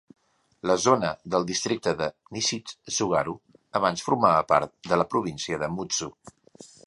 La zona del districte de Nishitsugaru abans formava part de la província de Mutsu.